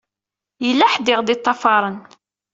Yella ḥedd i ɣ-d-iṭṭafaṛen.